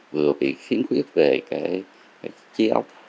vừa bị khiếm khuyết về cái chiếc óc